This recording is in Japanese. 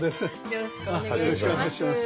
よろしくお願いします。